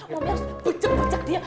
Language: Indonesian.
momi harus bucek bucek dia